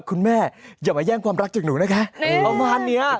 คุณแม่เดี๋ยวมาแย่งความรักจากหนูนะคะอันนี้ประมาณใช่ครับ